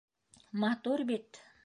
— Матур бит!